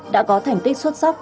bảo vệ an ninh tổ quốc